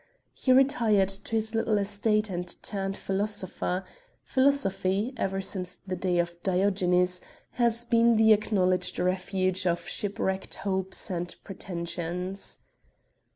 He retired to his little estate and turned philosopher philosophy, ever since the days of Diogenes, has been the acknowledged refuge of shipwrecked hopes and pretensions.